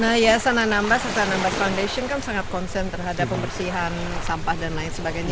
nah ya sana nambas sana nambas foundation kan sangat concern terhadap pembersihan sampah dan lain sebagainya